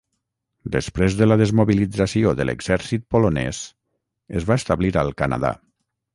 Després de la desmobilització de l'exèrcit polonès, es va establir al Canadà.